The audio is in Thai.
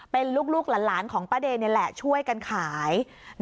เป็นลูกหลานของป้าเดย์นี่แหละช่วยกันขาย